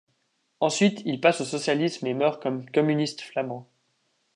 Ensuite, il passe au socialisme et il meurt comme communiste flamand.